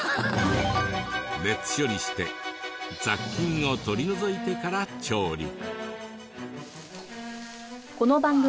熱処理して雑菌を取り除いてから調理。